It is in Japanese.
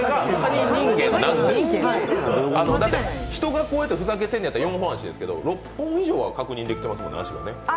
人がこうやってふざけてるんだったら４本足ですけど、６本以上は確認できてますよね、足が。